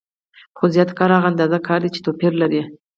خو زیات کار هغه اندازه کار دی چې توپیر لري